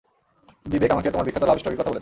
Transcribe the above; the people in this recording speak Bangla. বিবেক আমাকে তোমার বিখ্যাত লাভ স্টোরির কথা বলেছিল।